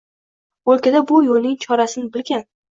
O’lkada bu yo’lning chorasin bilgan